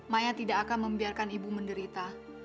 maya tidak akan membiarkan ibu menderita